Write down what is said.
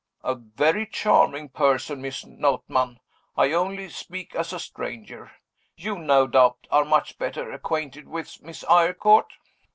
"A very charming person, Miss Notman. I only speak as a stranger. You, no doubt, are much better acquainted with Miss Eyrecourt?"